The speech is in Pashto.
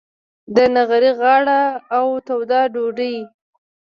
د نغري غاړه او توده ډوډۍ.